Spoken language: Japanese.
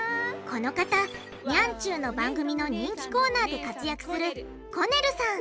この方ニャンちゅうの番組の人気コーナーで活躍するコネルさん！